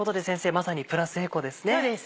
まさにプラスエコですね。